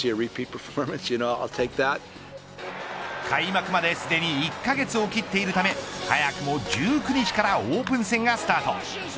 開幕まですでに１カ月を切っているため早くも１９日からオープン戦がスタート。